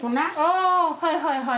あはいはいはい。